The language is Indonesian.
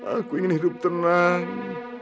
aku ingin hidup tenang